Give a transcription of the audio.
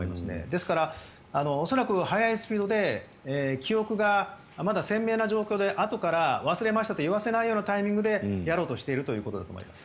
ですから、恐らく速いスピードで記憶がまた鮮明な状況であとから忘れましたと言わせないタイミングでやろうとしているということだと思います。